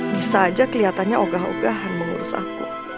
nisa aja keliatannya ogah ogahan mengurus aku